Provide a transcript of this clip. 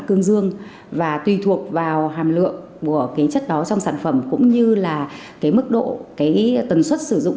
cương dương và tùy thuộc vào hàm lượng của chất đó trong sản phẩm cũng như là mức độ tần suất sử dụng